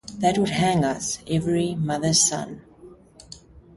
That would hang us, every mother's son.